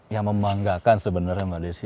yang memanggakan sebenarnya mbak desy